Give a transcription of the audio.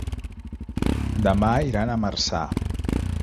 Demà iran a Marçà.